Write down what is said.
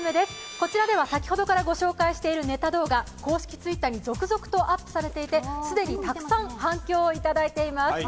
こちらでは先ほどから御紹介しているネタ動画続々とアップされていてすでにたくさん反響をいただいています。